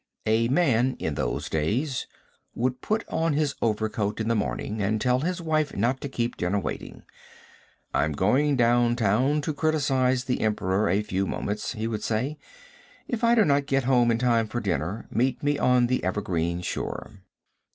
A man in those days, would put on his overcoat in the morning and tell his wife not to keep dinner waiting. "I am going down town to criticise the Emperor a few moments," he would say. "If I do not get home in time for dinner, meet me on the 'evergreen shore.'"